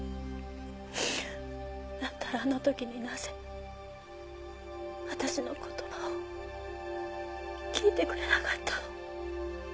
だったらあの時になぜ私の言葉を聞いてくれなかったの？